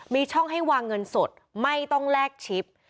มีช่องให้วางเงินสดไม่ต้องแลกชิป